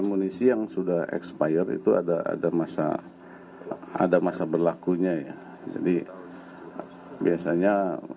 amunisi yang sudah expired itu ada ada masa ada masa berlakunya ya jadi biasanya